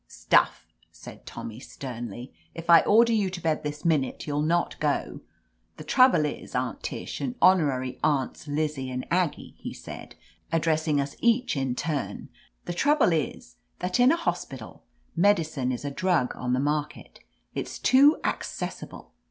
"Stuff!" said Tommy sternly. "If I order you to bed this minute, you'll not go! The trouble is. Aunt Tish and Honorary Aunts Lizzie and Aggie," he said, addressing us each in turn, "the trouble is that in a hospital medi cine is a drug on the market. It's too ac cessible.